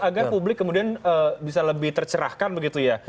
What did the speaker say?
agar publik kemudian bisa lebih tercerahkan begitu ya